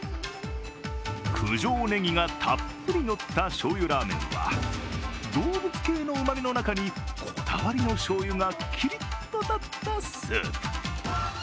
九条ネギがたっぷりのったしょうゆラーメンは動物系のうまみの中に、こだわりのしょうゆがキリッと立ったスープ。